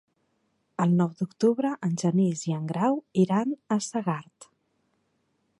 El nou d'octubre en Genís i en Grau iran a Segart.